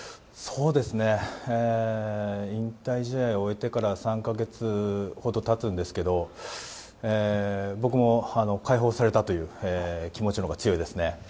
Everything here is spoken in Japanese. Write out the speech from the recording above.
引退試合を終えてから３か月ほど経つんですけど僕も解放されたという気持ちのほうが強いですね。